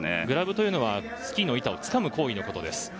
グラブというのはスキーの板をつかむ行為のことです。